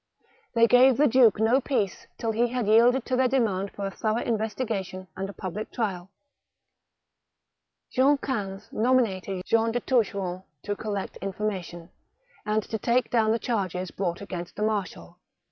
They gave the duke no peace till he had yielded to their demand for a thorough investigation and a public trial. John V. nominated Jean de Toucheronde to collect information, and to take down the charges brought against the marshal.